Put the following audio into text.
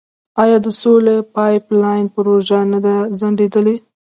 آیا د سولې پایپ لاین پروژه نه ده ځنډیدلې؟